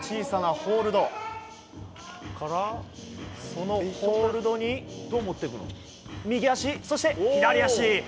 そのホールドに、右足そして、左足。